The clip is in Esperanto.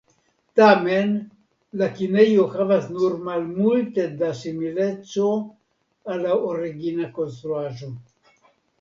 Tamen la kinejo havas nur malmulte da simileco al la origina konstruaĵo.